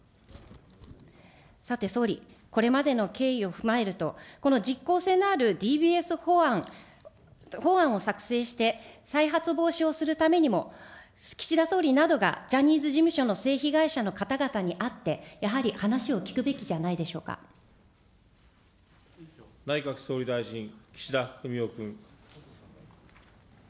さて、総理、これまでの経緯を踏まえると、この実効性のあるＤＢＳ法案を作成して、再発防止をするためにも、岸田総理などが、ジャニーズ事務所の性被害者の方々に会って、やはり話を聞くべき内閣総理大臣、岸田文雄君。